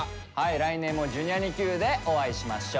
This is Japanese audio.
来年も「Ｊｒ．にＱ」でお会いしましょう。